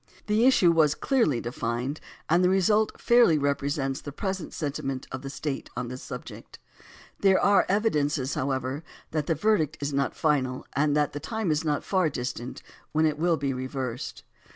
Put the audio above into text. The issue was clearly defined and the result fairly represents the present senti ment of the State on this subject. There are evidences, however, that the verdict is not final and that the time is not far distant when it will be reversed.